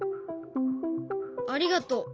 ありがとう。